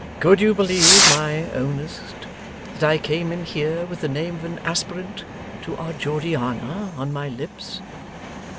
Could you believe, my Ownest, that I came in here with the name of an aspirant to our Georgiana on my lips?